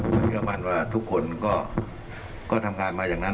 ผมเชื่อมั่นว่าทุกคนก็ทำงานมาอย่างนั้น